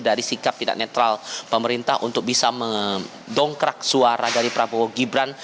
dari sikap tidak netral pemerintah untuk bisa mendongkrak suara dari prabowo gibran